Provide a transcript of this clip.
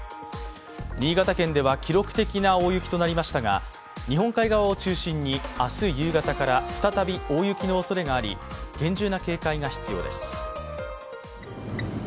新潟県では記録的な大雪となりましたが日本海側を中心に明日夕方から再び大雪のおそれがあり厳重な警戒が必要です。